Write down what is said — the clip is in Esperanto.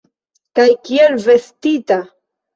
Kaj kiel vestita!